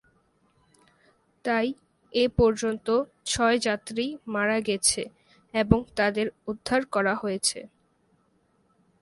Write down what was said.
তাই এ পর্যন্ত ছয় যাত্রী মারা গেছে এবং তাদের উদ্ধার করা হয়েছে।